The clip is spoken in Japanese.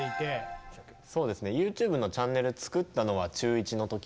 そうですねＹｏｕＴｕｂｅのチャンネル作ったのは中１の時。